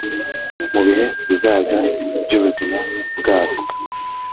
mu bihe bizaza by’ubuzima bwarwo.